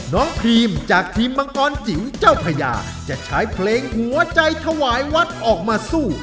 พรีมจากทีมมังกรจิ๋วเจ้าพญาจะใช้เพลงหัวใจถวายวัดออกมาสู้